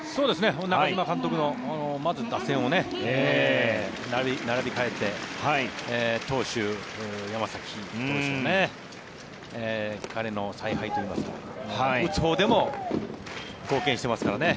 中嶋監督のまず、打線を並び替えて投手、山崎投手で彼の采配といいますか打つほうでも貢献してますからね。